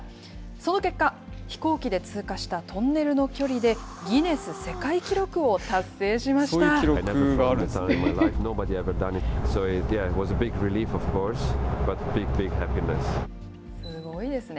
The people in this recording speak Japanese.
その結果、飛行機で通過したトンネルの距離で、ギネス世界記録をそういう記録があるんですね。